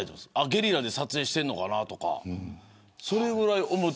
ゲリラ撮影してるのかなとか。